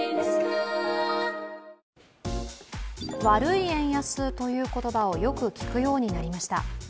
悪い円安という言葉をよく聞くようになりました。